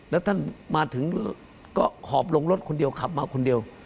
แล้วท่านมาถึงก็หอบลงรถคนเดียวขับมาคนเดียว